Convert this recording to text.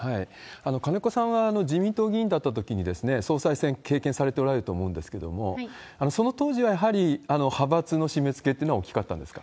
金子さんは自民党議員だったときに、総裁選経験されておられると思うんですけれども、その当時はやはり派閥の締め付けってのは大きかったんですか？